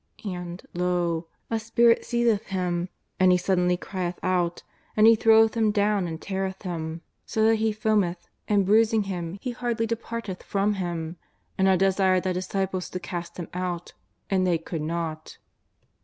And, lo ! a spirit seizeth him and he suddenly crieth out, and he throweth him down and teareth him, 266 JESUS OF NAZARETH. 60 tliat he foameth, and bruising him he hardly de parteth from him. And I desired Thy disciples to cast him out and they could not.''